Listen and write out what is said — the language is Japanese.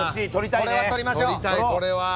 これは取りましょう。